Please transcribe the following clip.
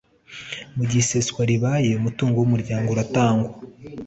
mu gihe iseswa ribayeho umutungo w umuryango uratangwa